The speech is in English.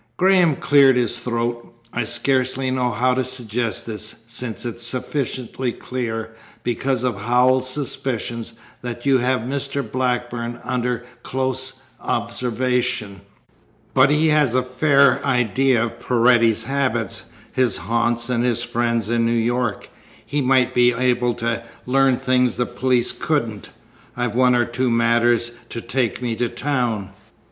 Graham cleared his throat. "I scarcely know how to suggest this, since it is sufficiently clear, because of Howells's suspicions, that you have Mr. Blackburn under close observation. But he has a fair idea of Paredes's habits, his haunts, and his friends in New York. He might be able to learn things the police couldn't. I've one or two matters to take me to town.